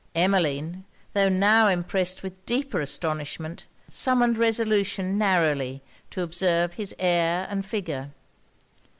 Emmeline, tho' now impressed with deeper astonishment, summoned resolution narrowly to observe his air and figure.